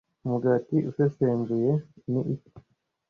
Umugati usesembuye ni iki